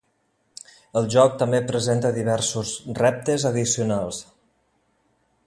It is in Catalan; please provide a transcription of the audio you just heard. El joc també presenta diversos reptes addicionals.